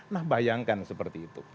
nah bayangkan seperti itu